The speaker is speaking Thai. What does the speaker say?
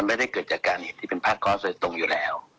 มันไม่ได้เกิดจากการเห็นที่เป็นภาคกอสตรมอยู่แล้ว